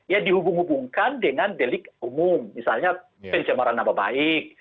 ya dihubung hubungkan dengan delik umum misalnya pencemaran nama baik